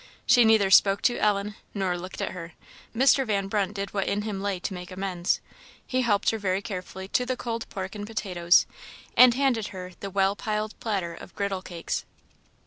She neither spoke to Ellen nor looked at her; Mr. Van Brunt did what in him lay to make amends. He helped her very carefully to the cold pork and potatoes, and handed her the well piled platter of griddle cakes.